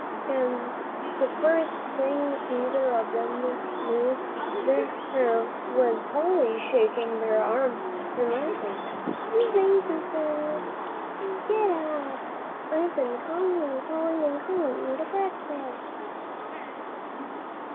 And the first thing either of them knew, there was Polly shaking their arms and laughing. "You lazy little things, you get up! I've been calling and calling and calling you to breakfast."